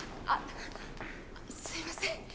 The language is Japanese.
あっすみません。